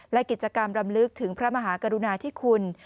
และกิจกรรมรำลึกถึงพระมหากรุณาธิคุณ